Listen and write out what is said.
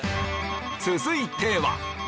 続いては？